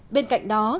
bên cạnh đó